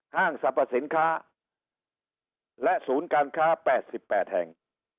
ห้างสรรพสินค้าและศูนย์การค้า๘๘แห่ง